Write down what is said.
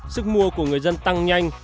sức mua của người dân tăng nhanh